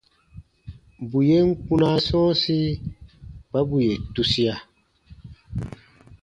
Bù yen kpunaa sɔ̃ɔsi kpa bù yè tusia.